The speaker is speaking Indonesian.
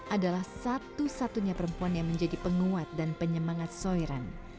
adalah satu satunya perempuan yang menjadi penguat dan penyemangat soiran